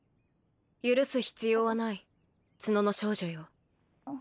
許す必要はない角の少女よ